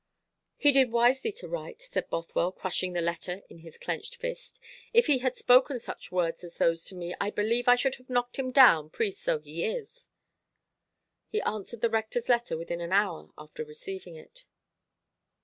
"He did wisely to write," said Bothwell, crushing the letter in his clenched fist. "If he had spoken such words as those to me, I believe I should have knocked him down, priest though he is." He answered the Rector's letter within an hour after receiving it.